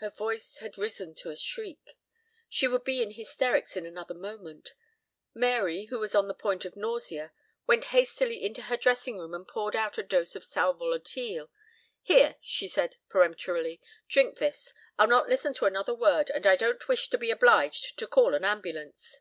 Her voice had risen to a shriek. She would be in hysterics in another moment. Mary, who was on the point of nausea, went hastily into her dressing room and poured out a dose of sal volatile. "Here!" she said peremptorily. "Drink this. I'll not listen to another word. And I don't wish to be obliged to call an ambulance."